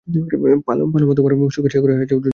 Paloma তোমার সুরের সাগরে হারিয়ে যায়, যখন তুমি বাজাও।